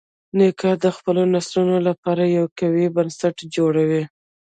نیکه د خپلو نسلونو لپاره یو قوي بنسټ جوړوي.